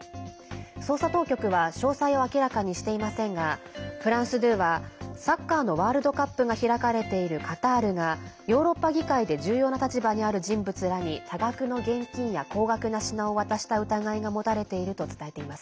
捜査当局は詳細を明らかにしていませんがフランス２はサッカーのワールドカップが開かれているカタールがヨーロッパ議会で重要な立場にある人物らに多額の現金や高額な品を渡した疑いが持たれていると伝えています。